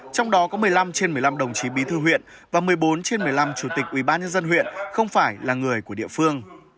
trong đó có một mươi năm trên một mươi năm đồng chí bí thư huyện và một mươi bốn trên một mươi năm chủ tịch ubnd huyện không phải là người của địa phương